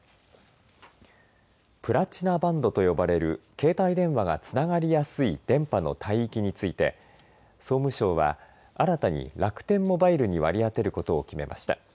プラチナバンドと呼ばれる携帯電話がつながりやすい電波の帯域について総務省は新たに楽天モバイルに割り当てることを決めました。